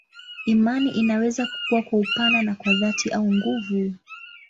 Imani inaweza kukua kwa upana na kwa dhati au nguvu.